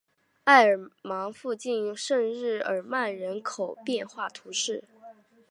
埃尔芒附近圣日耳曼人口变化图示